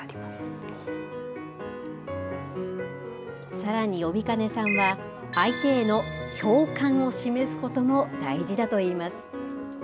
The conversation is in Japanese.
さらに帯包さんは、相手への共感を示すことも大事だといいます。